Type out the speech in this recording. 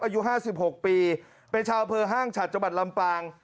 อายุ๕๖ปีเป็นชาวเผลอห้างฉัดจังหวัดลำปาง